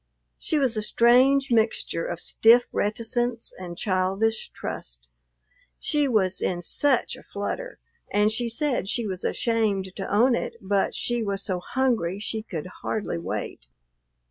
She was a strange mixture of stiff reticence and childish trust. She was in such a flutter, and she said she was ashamed to own it, but she was so hungry she could hardly wait.